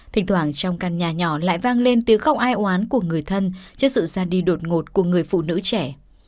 thỉnh thoảng trong căn nhà nhỏ lại vang lên tiếng khóc ai oán của người thân trước sự ra đi đột ngột của người phụ nữ trẻ